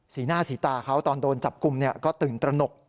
หน้าสีตาเขาตอนโดนจับกลุ่มก็ตื่นตระหนก